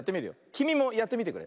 きみもやってみてくれ。